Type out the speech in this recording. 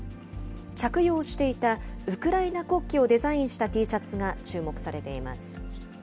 着用していたウクライナ国旗をデザインしたＴシャツが注目されています。